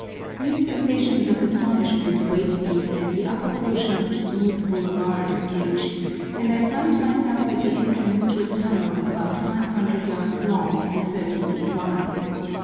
New sensations of astonishment await me as the upper portion of the smooth boulevard is reached, and I find myself at the entrance to a tunnel about five hundred yards long and thirty feet wide.